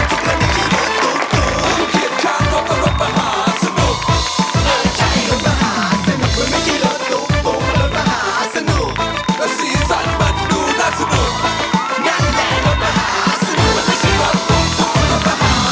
สัปดาห์นี้เวลาของเราหมดลงแล้วครับสัปดาห์นี้เวลาของเราหมดลงแล้วครับ